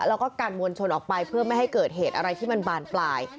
แล้วก็กันมวลชนออกไปเพื่อไม่ให้เกิดเหตุอะไรที่มันบานปลาย